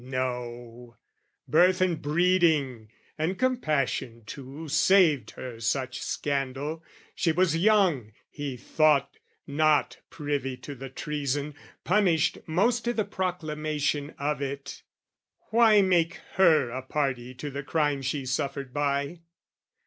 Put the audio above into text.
No, birth and breeding, and compassion too Saved her such scandal. She was young, he thought, Not privy to the treason, punished most I' the proclamation of it; why make her A party to the crime she suffered by?